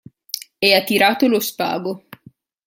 E ha tirato lo spago.